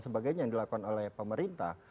sebagainya yang dilakukan oleh pemerintah